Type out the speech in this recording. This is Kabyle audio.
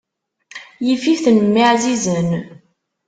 Yif-iten mmi ɛzizen.